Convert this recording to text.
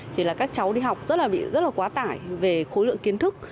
thì là các cháu đi học rất là quá tải về khối lượng kiến thức